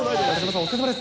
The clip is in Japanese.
お疲れさまです。